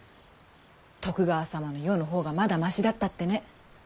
徳川様の世の方がまだましだったってね。